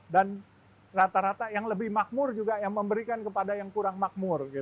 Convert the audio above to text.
dan rata rata yang lebih makmur juga yang memberikan kepada yang kurang makmur